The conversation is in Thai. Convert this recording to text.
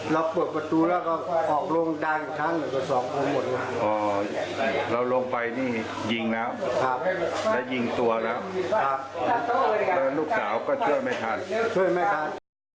ลูกสาวก็เชื่อไม่ทันเชื่อไม่ทัน